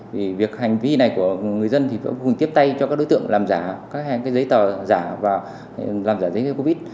vì việc hành vi này của người dân thì tiếp tay cho các đối tượng làm giả các giấy tờ giả và làm giả giấy covid